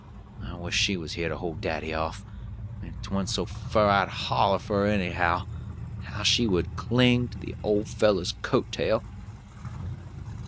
I wish she was here to hold daddy off. If 'twa'n't so fur I'd holler for her, anyhow. How she would cling to the old fellow's coat tail!"